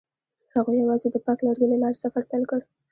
هغوی یوځای د پاک لرګی له لارې سفر پیل کړ.